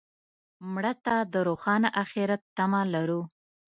مړه ته د روښانه آخرت تمه کوو